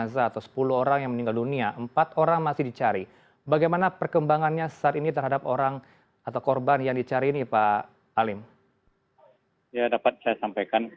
selamat malam pak alim